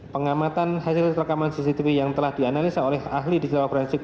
pengamatan hasil rekaman cctv yang telah dianalisa oleh ahli di silap rensik